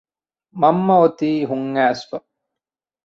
މަންމަ އޮތީ ހުން އައިސްފަ